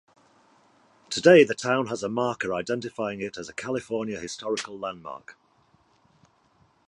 Today the town has a marker identifying it as a California Historical Landmark.